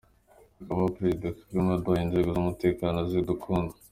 Harakabaho Perezida Kagame waduhaye inzego z’umutekano zidukunda’.